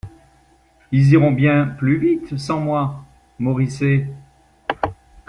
Ils iront bien plus vite sans moi." Moricet .